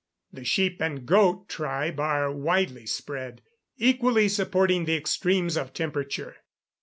The sheep and goat tribe are widely spread, equally supporting the extremes of temperature.